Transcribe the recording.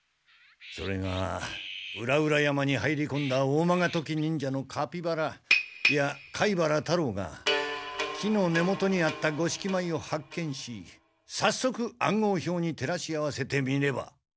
それが裏々山に入りこんだオーマガトキ忍者のカピバラいや貝原太郎が木の根元にあった五色米を発見しさっそく暗号表にてらし合わせてみれば。